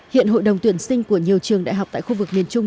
hiện hội đồng tuyển sinh của nhiều trường đại học tại khu vực miền trung